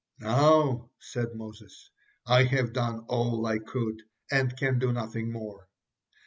"Now," said Moses, "I have done all I could, and can do nothing more."